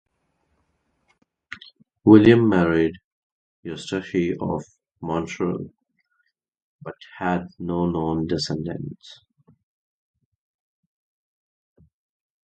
William married Eustachie of Montreuil but had no known descendants.